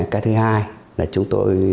cái thứ hai là chúng tôi